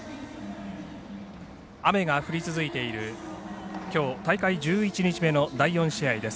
雨が降り続いているきょう、大会１１日目の第４試合です。